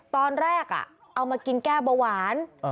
ตอนแรกเอามากินแก้เบาหวาน